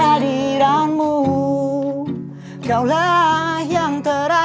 arada apa yang polri ya